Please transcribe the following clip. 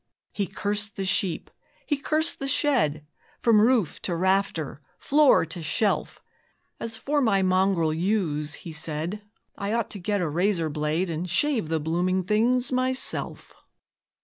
He cursed the sheep, he cursed the shed, From roof to rafter, floor to shelf; As for my mongrel ewes, he said, I ought to get a razor blade And shave the blooming things myself.